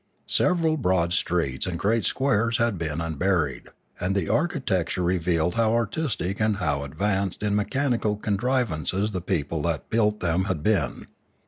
Several broad streets and great squares had been unburied ; and the architecture revealed how artistic and how ad vanced in mechanical contrivances the people that built them had been.